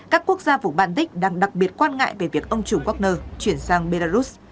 các quốc gia vùng bàn đích đang đặc biệt quan ngại về việc ông chủng wagner chuyển sang belarus